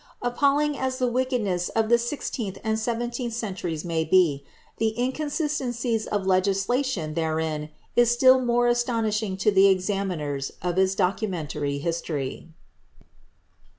Appalling as the wickedness of the 16th and 17th centuries may be, the inconsistencies of legislation therein is still more astounding to the exa minert of its documentary history.